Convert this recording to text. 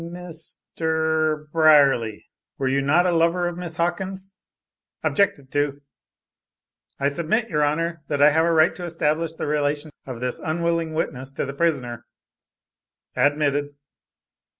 Mist er.....er Brierly! Were you not a lover of Miss Hawkins?" Objected to. "I submit, your Honor, that I have the right to establish the relation of this unwilling witness to the prisoner." Admitted.